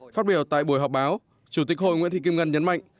phát biểu tại buổi họp báo chủ tịch hội nguyễn thị kim ngân nhấn mạnh